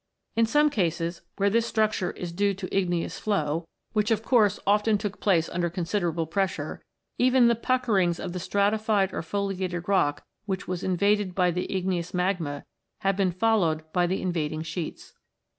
In some cases, where this structure is due to igneous flow, which of course often 158 ROCKS AND THEIR ORIGINS [OH. took place under considerable pressure, even the puckerings of the stratified or foliated rock which was invaded by the igneous magma have been followed by the invading sheets.